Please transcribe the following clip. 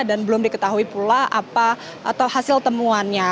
dan belum diketahui pula apa atau hasil temuannya